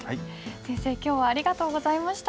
先生今日はありがとうございました。